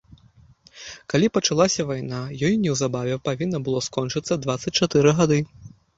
Калі пачалася вайна, ёй неўзабаве павінна было скончыцца дваццаць чатыры гады.